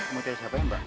mau tanya siapanya mbak